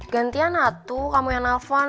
gantian atuh kamu yang nelpon